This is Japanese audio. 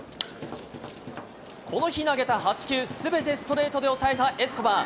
この日投げた８球すべてストレートで抑えたエスコバー。